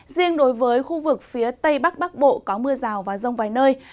riêng đối với khu vực phía tây bắc bắc bộ có mưa rào và rông vài nơi